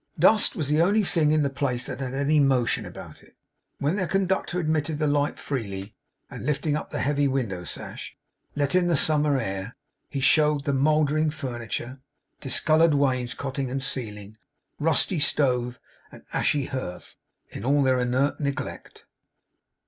Dust was the only thing in the place that had any motion about it. When their conductor admitted the light freely, and lifting up the heavy window sash, let in the summer air, he showed the mouldering furniture, discoloured wainscoting and ceiling, rusty stove, and ashy hearth, in all their inert neglect.